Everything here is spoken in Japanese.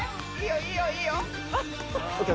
いいよいいよ。